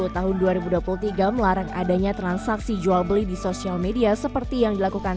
tahun dua ribu dua puluh tiga melarang adanya transaksi jual beli di sosial media seperti yang dilakukan